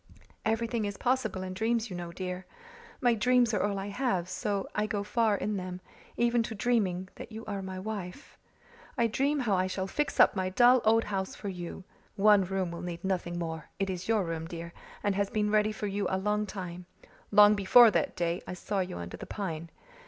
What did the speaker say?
Everything is possible in dreams, you know, dear. My dreams are all I have, so I go far in them, even to dreaming that you are my wife. I dream how I shall fix up my dull old house for you. One room will need nothing more it is your room, dear, and has been ready for you a long time long before that day I saw you under the pine.